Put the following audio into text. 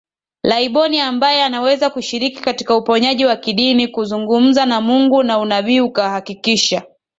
laibon ambaye anaweza kushiriki katika uponyaji wa kidini kuzungumza na Mungu na unabii kuhakikisha